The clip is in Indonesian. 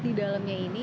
di dalamnya ini